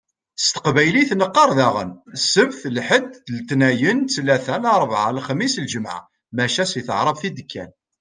S teqbaylit neqqaṛ daɣen: Sebt, lḥed, letniyen, ttlata, larbɛa, lexmis, lǧemɛa. Maca si taɛrabt i d-kkan.